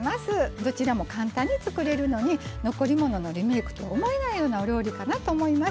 どちらも簡単に作れるのに残り物のリメークとは思えないようなお料理かなと思います。